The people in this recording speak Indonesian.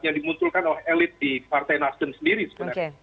yang dimunculkan oleh elit di partai nasdem sendiri sebenarnya